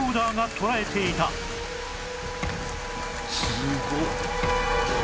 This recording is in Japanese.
すごっ。